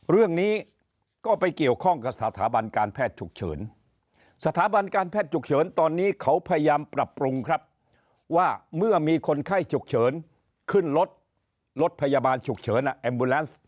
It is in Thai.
เรื่องนี้ก็ไปเกี่ยวข้องกับสถาบันการแพทย์ฉุกเฉินสถาบันการแพทย์ฉุกเฉินตอนนี้เขาพยายามปรับปรุงครับว่าเมื่อมีคนไข้ฉุกเฉินขึ้นรถรถพยาบาลฉุกเฉินแอมบูแลนซ์